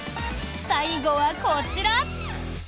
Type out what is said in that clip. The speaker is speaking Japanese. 最後はこちら！